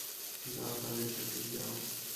যাও, তাদের কাছেই যাও।